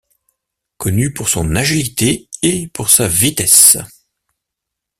Connu pour son agilité et pour sa vitesse.